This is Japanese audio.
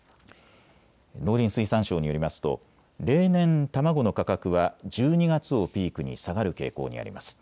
農林水産省によりますと例年、卵の価格は１２月をピークに下がる傾向にあります。